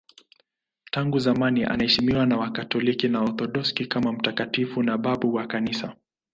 Tangu zamani anaheshimiwa na Wakatoliki na Waorthodoksi kama mtakatifu na babu wa Kanisa.